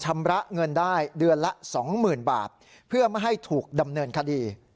ไม่ถูกดำเนินคดี